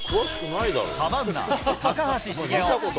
サバンナ・高橋茂雄。